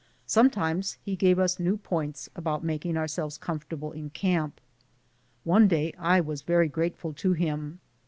Sometimes he gave us new points about making our selves comfortable in camp. One day I was very grate ful to him.